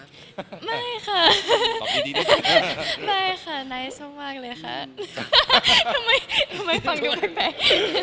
ไม่ค่ะไม่ค่ะนายชอบมากเลยค่ะทำไมฟังดูแปลก